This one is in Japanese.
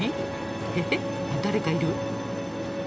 あっ誰かいる。